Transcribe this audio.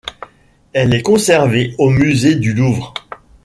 Elle est conservée au Musée du Louvre.